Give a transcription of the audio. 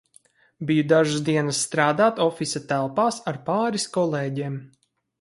Biju dažas dienas strādāt ofisa telpās ar pāris kolēģiem.